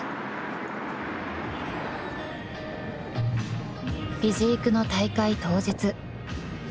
［フィジークの大会当日］